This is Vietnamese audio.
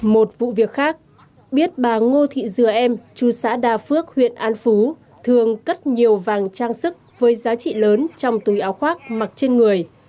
một vụ việc khác biết bà ngô thị dừa em chú xã đa phước huyện an phú thường cất nhiều vàng trang sức với giá trị lớn trong túi áo khoác mặc trên người